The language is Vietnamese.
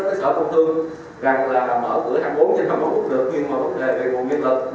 sở công thương thì chúng tôi đã tăng lên từ sáu giờ sáng đến một mươi một giờ tuy nhiên vấn đề là chúng tôi có